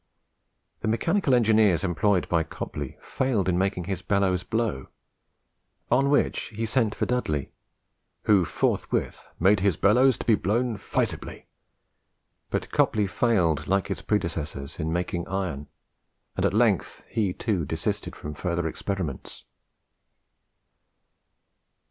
The mechanical engineers employed by Copley failed in making his bellows blow; on which he sent for Dudley, who forthwith "made his bellows to be blown feisibly;" but Copley failed, like his predecessors, in making iron, and at length he too desisted from further experiments.